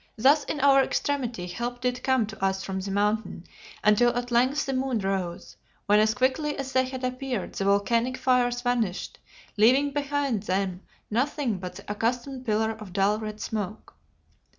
Thus in our extremity help did come to us from the Mountain, until at length the moon rose, when as quickly as they had appeared the volcanic fires vanished, leaving behind them nothing but the accustomed pillar of dull red smoke.